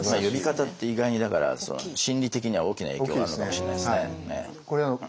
呼び方って意外に心理的には大きな影響があるのかもしれないですね。